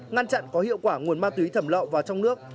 ngăn chặn có hiệu quả nguồn ma túy thẩm lậu vào trong nước